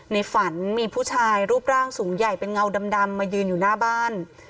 ในฝันมีผู้ชายรูปร่างสูงใหญ่เป็นเงาดำมายืนอยู่หน้าบ้าน